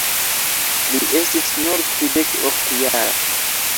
Li estis nur tridek-ok jara.